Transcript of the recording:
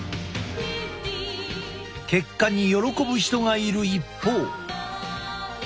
結果に喜ぶ人がいる一方。